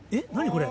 これ。